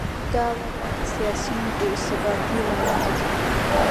دا وده د سیاسي بې ثباتۍ له امله و.